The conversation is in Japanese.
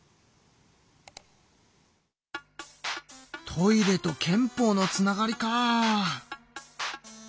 トイレと憲法のつながりか。